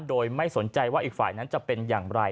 โดยไม่สนใจว่าอีกฝ่ายนั้นจะเป็นอย่างไร